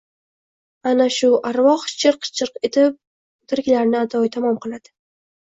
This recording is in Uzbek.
Ana shu arvoh chirq-chirq etib... tiriklarni adoyi tamom qiladi!